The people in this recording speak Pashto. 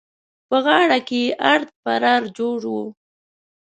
په غاړه کې يې ارت پرار جوړ وو.